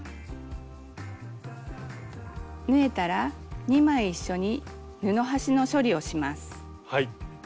縫えたら２枚一緒に布端の処理をします。